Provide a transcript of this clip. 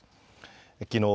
きのう